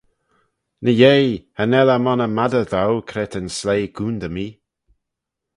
Ny-yeih cha nel eh monney madyr dou, cre ta'n sleih coontey mee.